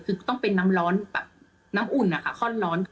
คือต้องเป็นน้ำร้อนแบบน้ำอุ่นนะคะข้อนร้อน